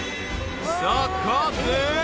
［そこで！］